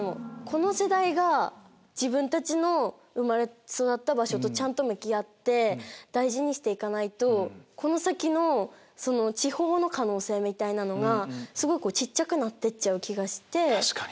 この世代が自分たちの生まれ育った場所とちゃんと向き合って大事にして行かないとこの先の地方の可能性みたいなのがすごく小っちゃくなってっちゃう気がして。